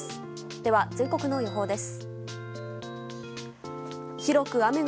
では全国の予報です。